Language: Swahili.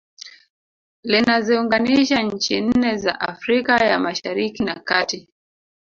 Linaziunganisha nchi nne za Afrika ya Mashariki na Kati